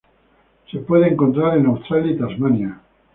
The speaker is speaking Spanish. Se puede encontrar en Australia y Tasmania.